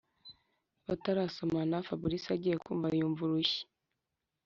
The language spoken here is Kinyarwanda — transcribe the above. batarasomana fabric agiye kumva yumva urushyi